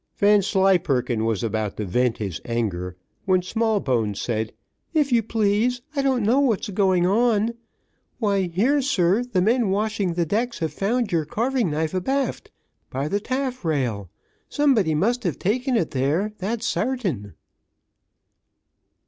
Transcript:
Vanslyperken was about to vent his anger, when Smallbones said, "If you please, I don't know what's a going on. Why here, sir, the men washing the decks have found your carving knife abaft, by the traffrail. Somebody must have taken it there, that's sartain."